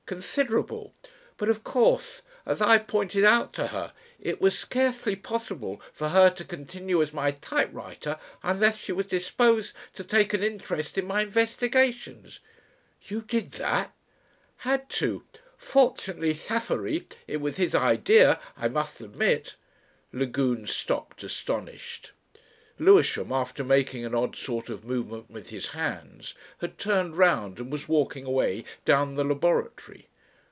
Considerable. But of course as I pointed out to her it was scarcely possible for her to continue as my typewriter unless she was disposed to take an interest in my investigations " "You did that?" "Had to. Fortunately Chaffery it was his idea. I must admit " Lagune stopped astonished. Lewisham, after making an odd sort of movement with his hands, had turned round and was walking away down the laboratory.